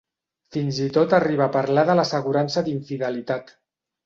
Fins i tot arriba a parlar de l'assegurança d'infidelitat.